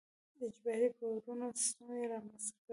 د اجباري پورونو سیستم یې رامنځته کړ.